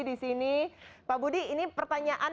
di sini pak budi ini pertanyaan